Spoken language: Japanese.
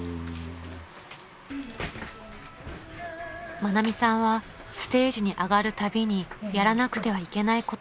［愛美さんはステージに上がるたびにやらなくてはいけないことがあります］